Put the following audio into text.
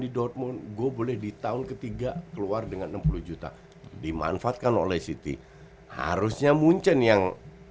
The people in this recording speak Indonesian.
di dortmund gue boleh di tahun ketiga keluar dengan enam puluh juta dimanfaatkan oleh city harusnya munchen yang